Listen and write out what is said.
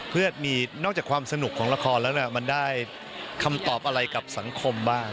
เพื่อมีนอกจากความสนุกของละครแล้วมันได้คำตอบอะไรกับสังคมบ้าง